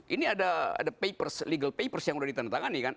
ini ada papers legal papers yang sudah ditandatangani kan